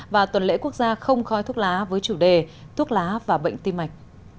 và tuần lễ quốc gia không khói thuốc lá với chủ đề thuốc lá và bệnh tim mạch